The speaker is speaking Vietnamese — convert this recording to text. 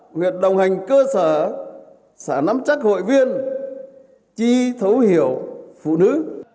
nguyện đồng hành cơ sở sản nắm chắc hội viên chi thấu hiểu phụ nữ